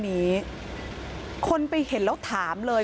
ที่ติ๊กจากโลกโซเชียลหรือ